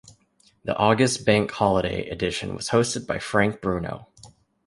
The August Bank Holiday edition was hosted by Frank Bruno.